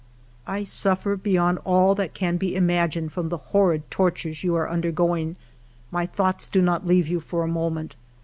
I suffer beyond all that can be imagined from the horrid tortures you are undergoing ; my thoughts do not leave you for a moment.